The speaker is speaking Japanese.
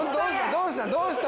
どうした？